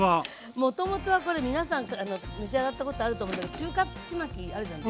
もともとはこれ皆さん召し上がったことあると思うんだけど中華ちまきあるじゃない。